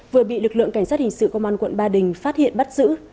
vừa bị lực lượng cảnh sát hình sự công an quận ba đình phát hiện bắt giữ